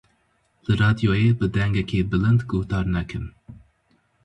Li radyoyê bi dengekî bilind guhdar nekin.